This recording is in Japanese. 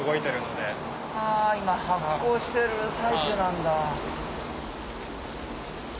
あ今発酵してる最中なんだ。